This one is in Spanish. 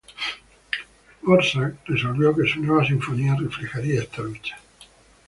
Dvořák resolvió que su nueva sinfonía reflejaría esta lucha.